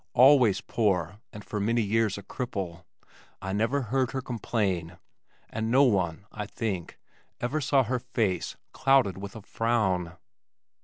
Always poor, and for many years a cripple, I never heard her complain, and no one, I think, ever saw her face clouded with a frown.